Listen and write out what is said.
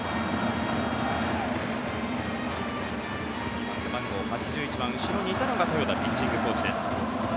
今、背番号８１番後ろにいたのが豊田ピッチングコーチです。